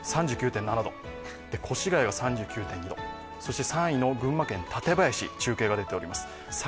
３９．７度、越谷は３９．２度、そして３位の群馬県館林中継が出ています